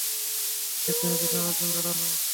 একজনের পিছনে আরেকজন দাঁড়ানো।